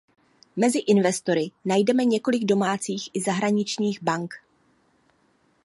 Mezi investory najdeme několik domácích i zahraničních bank.